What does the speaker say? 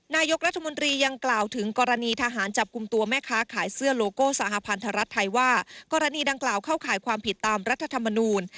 นายกรัฐมนตรียังกล่าวถึงกรณีทหารจับกลุ่มตัวแม่ค้าขายเสื้อโลโก้สหพันธรัฐไทยว่ากรณีดังกล่าวเข้าข่ายความผิดตามรัฐธรรมนูล